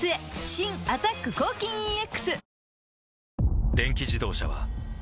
新「アタック抗菌ＥＸ」